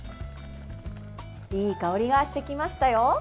いい香りがしてきましたよ。